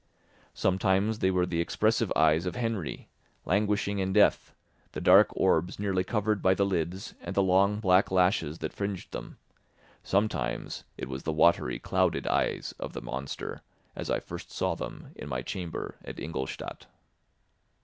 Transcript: Sometimes they were the expressive eyes of Henry, languishing in death, the dark orbs nearly covered by the lids and the long black lashes that fringed them; sometimes it was the watery, clouded eyes of the monster, as I first saw them in my chamber at Ingolstadt.